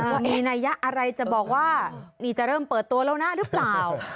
ว่ามีนัยยะอะไรจะบอกว่านี่จะเริ่มเปิดตัวแล้วนะหรือเปล่า